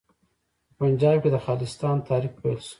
په پنجاب کې د خالصتان تحریک پیل شو.